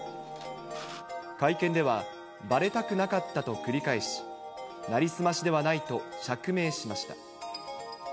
会見では、ばれたくなかったと繰り返し、成り済ましではないと釈明しました。